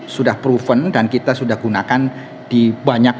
sudah proven dan kita sudah gunakan di banyak